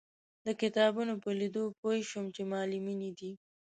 د کتابونو په لیدو پوی شوم چې معلمینې دي.